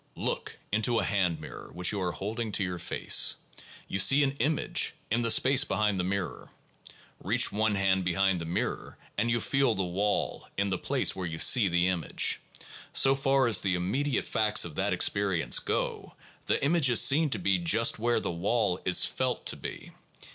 Look into a hand mirror which you are holding to your face. You see an 'image' in the space behind the mirror. Reach one hand behind the mirror and you feel the wall in the place where you see the image. So far as the immediate facts of that experience go, the image is seen to be just where the wall is felt to be.